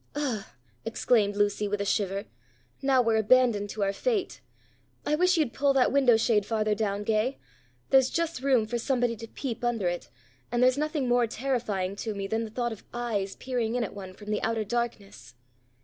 "Ugh!" exclaimed Lucy with a shiver. "Now we're abandoned to our fate! I wish you'd pull that window shade farther down, Gay. There's just room for somebody to peep under it, and there's nothing more terrifying to me than the thought of eyes peering in at one from the outer darkness."